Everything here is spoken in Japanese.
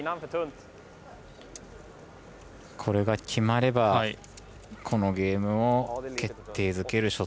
これが決まればこのゲームを決定づける